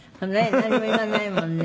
「何も言わないもんね。